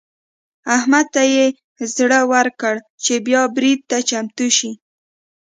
احمد ته يې زړه ورکړ چې بيا برید ته چمتو شي.